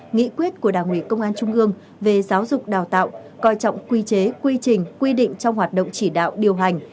nghị quyết của đảng ủy công an trung ương về giáo dục đào tạo coi trọng quy chế quy trình quy định trong hoạt động chỉ đạo điều hành